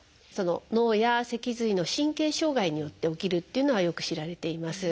脳や脊髄の神経障害によって起きるっていうのはよく知られています。